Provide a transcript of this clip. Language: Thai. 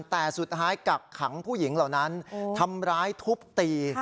แต่สุดท้ายกักขังผู้หญิงเหล่านั้นทำร้ายทุบตี